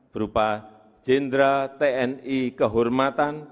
berupa jenderal tni kehormatan